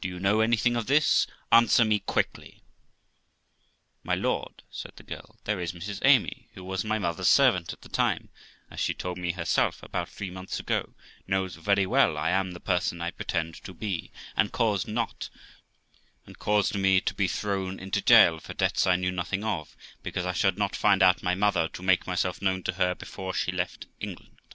Do you know anything of this? Answer me quickly.' 'My lord', said the girl, 'there is Mrs Amy, who was my mother's servant at the time (as she told me herself abont three months ago), knows very well I am the person I pretend to be, and caused me to be thrown into jail for debts I knew nothing of, because I should not find out my mother, to make myself known to her before she left England.'